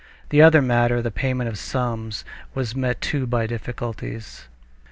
The other matter, the payment of the sums due, was met too by difficulties.